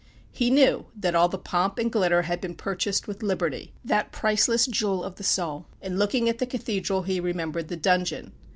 He knew that all the pomp and glitter had been purchased with liberty that priceless jewel of the soul. In looking at the cathedral he remembered the dungeon.